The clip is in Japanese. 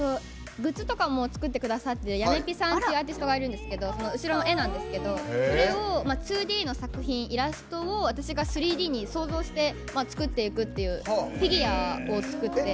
グッズとかも作ってくださってるアーティストさんがいるんですけどそれを２Ｄの作品、イラストを私が３Ｄに創造して作っていくっていくフィギュアを作って。